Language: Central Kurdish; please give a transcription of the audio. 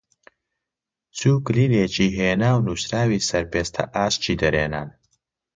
چوو کلیلێکی هێنا و نووسراوی سەر پێستە ئاسکی دەرێنان